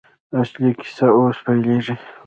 اصلي کیسه اوس پیلېږي.